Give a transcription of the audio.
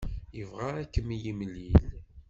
Yebɣa ad kem-yemlil.